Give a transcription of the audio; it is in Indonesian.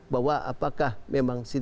bahwa apakah memang